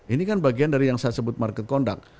ini kan bagian dari yang saya sebut market conduct